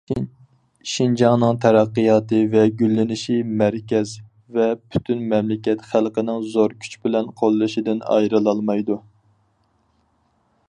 شىنجاڭنىڭ تەرەققىياتى ۋە گۈللىنىشى مەركەز ۋە پۈتۈن مەملىكەت خەلقىنىڭ زور كۈچ بىلەن قوللىشىدىن ئايرىلالمايدۇ.